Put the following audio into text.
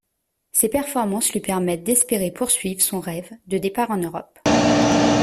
Ses performances lui permettent d'espérer poursuivre son rêve de départ en Europe.